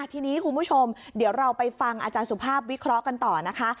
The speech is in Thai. ทีนี้คุณผู้ชมเดี๋ยวเราไปฟังอาจารย์สุภาพวิเคราะห์กันต่อนะคะ